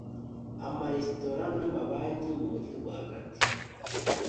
amaresitora n’amabanki mu mujyi rwagati